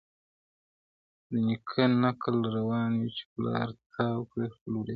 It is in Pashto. د نیکه نکل روان وي چي پلار تاو کړي خپل برېتونه -